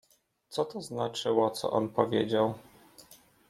Co to znaczyło co on powiedział?